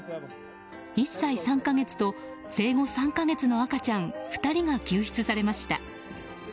１歳３か月と生後３か月の赤ちゃん２人が救出されました。